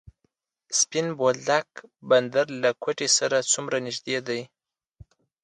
سپین بولدک بندر له کویټې سره څومره نږدې دی؟